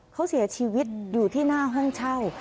เขาเสียชีวิตอยู่ที่หน้าห้องเช่า